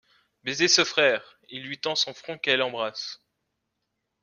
Baisez ce frère ! il lui tend son front qu'elle embrasse.